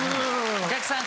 お客さん